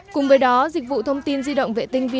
cùng với đó dịch vụ thông tin di động vệ tinh vinaphone s